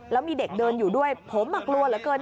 แล้วมีเด็กเดินอยู่ด้วยผมกลัวเหลือเกิน